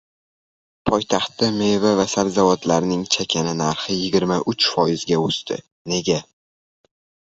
Poytaxtda meva va sabzavotlarning chakana narxi yigirma uch foizga o‘sdi, nega?